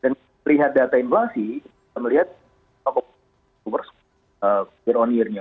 dan melihat data inflasi kita melihat per year on year nya